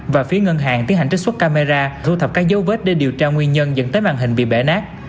và phía ngân hàng tiến hành trích xuất camera thu thập các dấu vết để điều tra nguyên nhân dẫn tới màn hình bị bể nát